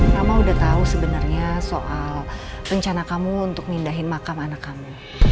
mama udah tahu sebenarnya soal rencana kamu untuk mindahin makam anak kamu